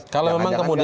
kalau memang kemudian